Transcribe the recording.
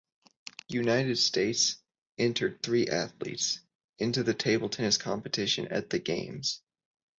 United States entered three athletes into the table tennis competition at the games.